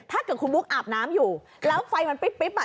ถ้าเกิดคุณบุ๊กอาบน้ำอยู่แล้วไฟมันปิ๊บอ่ะ